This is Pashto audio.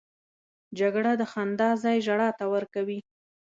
جګړه د خندا ځای ژړا ته ورکوي